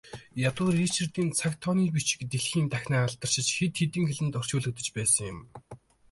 Ядуу Ричардын цаг тооны бичиг дэлхий дахинаа алдаршиж, хэд хэдэн хэлэнд орчуулагдаж байсан юм.